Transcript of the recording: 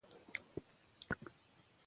د افغانستان عظمت په تاریخ کې څرګند دی.